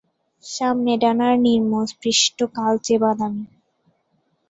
সামনের ডানার নিম্ন পৃষ্ঠ কালচে বাদামি।